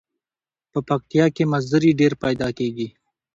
په پکتیا کې مزري ډیر پیداکیږي.